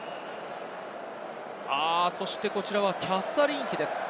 そしてこちらはキャサリン妃です。